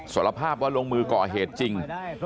สารภาพว่าลงมือก่อเหตุจริง